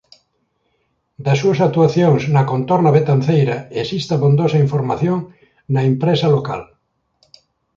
Das súas actuacións na contorna betanceira existe abondosa información na impresa local.